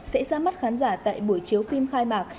sẽ ra mắt khán giả tại buổi chiếu phim khai mạc